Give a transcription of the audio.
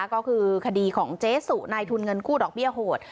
ก็คือคดีของเจ๊สุในทุนเงินกู้ดอกเบี้ยโหด